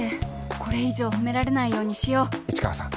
これ以上褒められないようにしよう市川さん